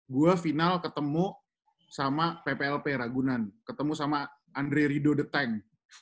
gue final ketemu sama pplp ragunan ketemu sama andre rido the tank